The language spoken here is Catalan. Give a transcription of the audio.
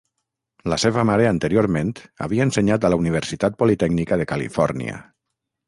La seva mare anteriorment havia ensenyat a la Universitat Politècnica de Califòrnia.